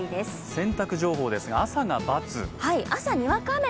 洗濯情報ですが、朝がバツ。